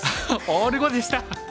オール５でした！